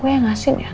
kau ny supervisor nya